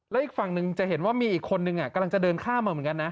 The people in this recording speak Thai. และอีกฝั่งหนึ่งจะเห็นว่ามีอีกคนนึงกำลังจะเดินข้ามมาเหมือนกันนะ